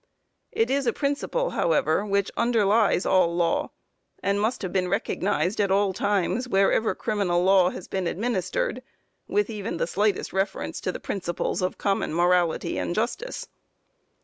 It is a principle, however, which underlies all law, and must have been recognized at all times, wherever criminal law has been administered, with even the slightest reference to the principles of common morality and justice.